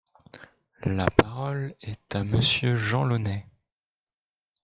La parole est à Monsieur Jean Launay.